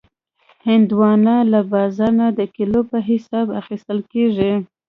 هندوانه له بازار نه د کیلو په حساب اخیستل کېږي.